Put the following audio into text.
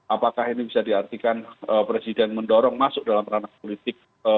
apakah ini bisa diartikan presiden mendorong masuk dalam ranah politik